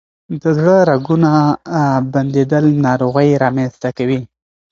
د زړه رګونه بندیدل ناروغۍ رامنځ ته کوي.